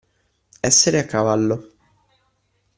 Essere a cavallo.